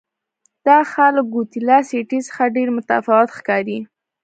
دغه ښار له ګواتیلا سیټي څخه ډېر متفاوت ښکاري.